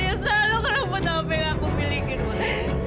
dia selalu ngerempet apa yang aku milikin